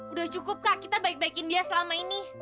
udah cukup kak kita baik baikin dia selama ini